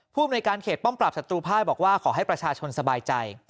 ภูมิในการเขตป้อมปราบศัตรูภายบอกว่าขอให้ประชาชนสบายใจ